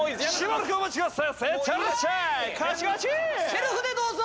セルフでどうぞ！